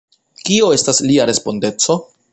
Kio estas lia respondeco?